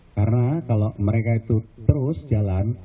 karena kalau mereka itu terus jalan